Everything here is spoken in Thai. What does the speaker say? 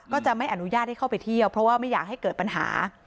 ก็จะไม่อนุญาตให้เข้าไปเที่ยวเพราะว่าไม่อยากให้เกิดปัญหา